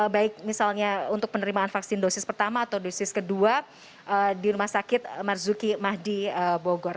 baik misalnya untuk penerimaan vaksin dosis pertama atau dosis kedua di rumah sakit marzuki mahdi bogor